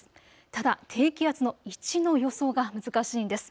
ただ低気圧の位置の予想が難しいんです。